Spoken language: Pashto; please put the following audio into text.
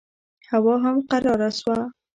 هوا هم قراره شوه.